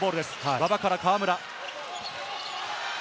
馬場から河村。